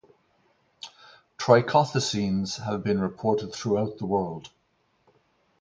Trichothecenes have been reported throughout the world.